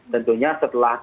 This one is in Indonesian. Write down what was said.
tentunya setelah tadi